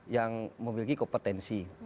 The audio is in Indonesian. yang memiliki kompetensi